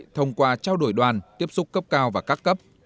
thông qua trao đổi đoàn tiếp xúc cấp cao và các cấp